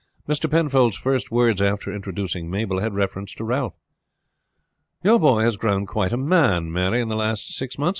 Mr. Penfold's first words after introducing Mabel had reference to Ralph. "Your boy has grown quite a man, Mary, in the last six months.